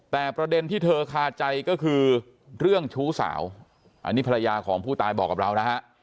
แต่ประเด็นที่เธอคาใจก็คือเรื่องชู้สาวอันนี้ภรรยาของผู้ตายบอกกับเรานะฮะ